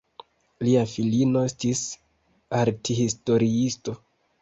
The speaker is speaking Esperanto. Lia filino estis arthistoriisto.